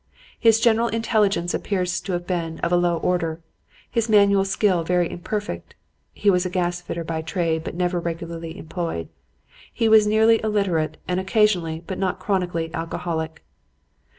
His general intelligence appears to have been of a low order, his manual skill very imperfect (he was a gas fitter by trade but never regularly employed). He was nearly illiterate and occasionally but not chronically alcoholic.